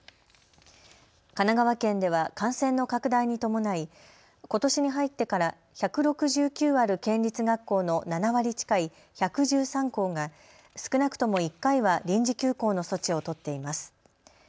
神奈川県では感染の拡大に伴いことしに入ってから１６９ある県立学校の７割近い１１３校が少なくとも１回は臨時休校の措置を取っています。